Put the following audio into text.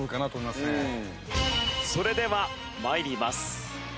それでは参ります。